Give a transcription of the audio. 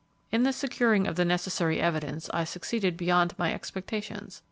In the securing of the necessary evidence I succeeded beyond my expectations.